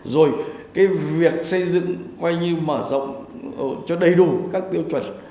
rồi cái việc xây dựng coi như mở rộng cho đầy đủ các tiêu chuẩn